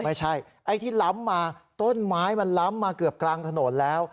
ไม่ใช่ไอ้ที่ล้ำมาต้นไม้มันล้ำมาเกือบกลางถนนแล้ว